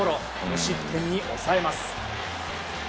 無失点に抑えます。